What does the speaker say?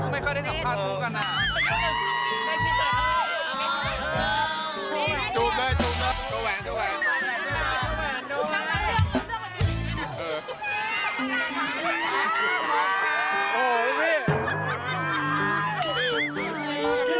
ไม่ค่อยได้สัมภาษณ์คู่กันอ่ะ